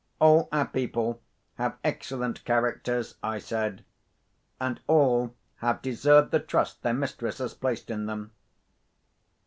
"All our people have excellent characters," I said. "And all have deserved the trust their mistress has placed in them."